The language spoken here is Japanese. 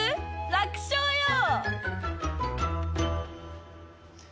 楽勝よ！